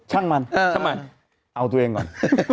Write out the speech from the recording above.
ช่างมันเอาตัวเองก่อน